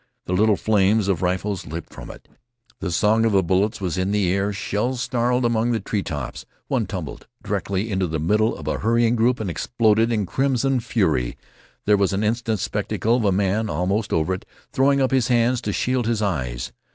The little flames of rifles leaped from it. The song of the bullets was in the air and shells snarled among the tree tops. One tumbled directly into the middle of a hurrying group and exploded in crimson fury. There was an instant's spectacle of a man, almost over it, throwing up his hands to shield his eyes.